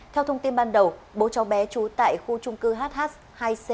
theo thông tin ban đầu bố cháu bé trú tại khu trung cư hh hai c